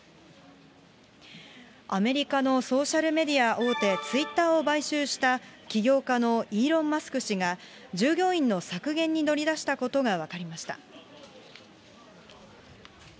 アメリカのソーシャルメディア大手、ツイッターを買収した起業家のイーロン・マスク氏が従業員の削減に乗り出したことが分かりました。